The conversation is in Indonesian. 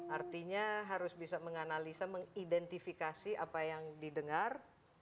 artinya harus bisa menganalisa mengidentifikasi apa yang didengar